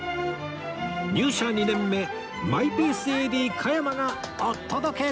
入社２年目マイペース ＡＤ 加山がお届け！